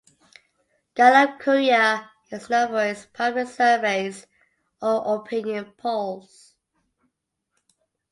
Gallup Korea is known for its public surveys or opinion polls.